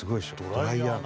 ドライヤーなの。